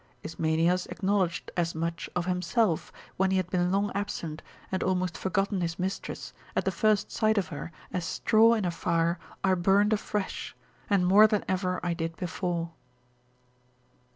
Ismenias acknowledged as much of himself, when he had been long absent, and almost forgotten his mistress, at the first sight of her, as straw in a fire, I burned afresh, and more than ever I did before.